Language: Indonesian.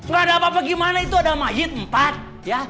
gak ada apa apa gimana itu ada masjid empat ya